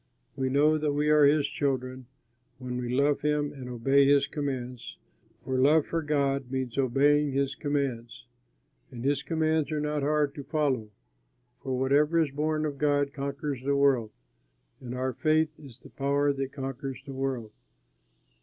We know that we are his children when we love him and obey his commands, for love for God means obeying his commands. And his commands are not hard to follow, for whatever is born of God conquers the world. And our faith is the power that conquers the world.